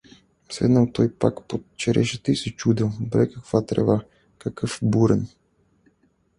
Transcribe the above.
Седнал той пак под черешата и се чудел: — Бре, каква трева, какъв бурен!